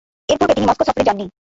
এরপূর্বে তিনি মস্কো সফরে যাননি।